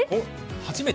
初めて？